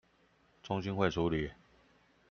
中心會處理